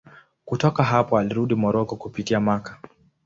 Kutoka hapa alirudi Moroko kupitia Makka.